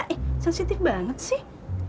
eh sensitif banget sih